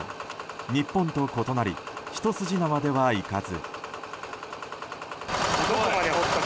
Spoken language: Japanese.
日本と異なり一筋縄ではいかず。